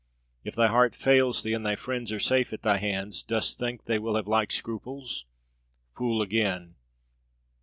If thy heart fails thee, and thy friends are safe at thy hands, dost think they will have like scruples? Fool again!